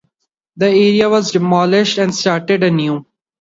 The area was demolished and started anew.